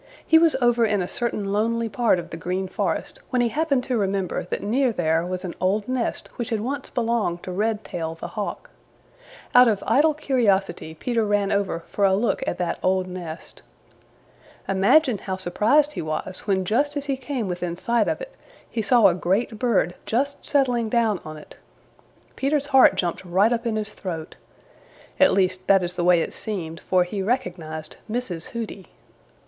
He was over in a certain lonely part of the Green Forest when he happened to remember that near there was an old nest which had once belonged to Redtail the Hawk. Out of idle curiosity Peter ran over for a look at that old nest. Imagine how surprised he was when just as he came within sight of it, he saw a great bird just settling down on it. Peter's heart jumped right up in his throat. At least that is the way it seemed, for he recognized Mrs. Hooty.